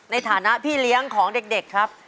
ในฐานะพี่เลี้ยงของเด็กครับ